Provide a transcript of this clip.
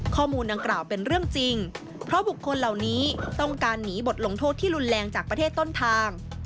ข้อมูลดังกล่าวเป็นเรื่องจริงเพราะบุคคลเหล่านี้ต้องการหนีบทลงโทษที่รุนแรงจากประเทศต้นทาง